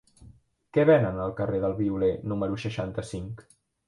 Què venen al carrer del Violer número seixanta-cinc?